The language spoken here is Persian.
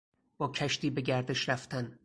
با کشتی به گردش رفتن